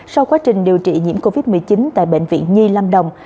sau quá trình điều trị nhiễm covid một mươi chín tại bệnh viện nhi lâm đồng